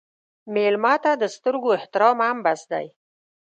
مېلمه ته د سترګو احترام هم بس دی.